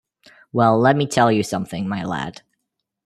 Well let me tell you something my lad!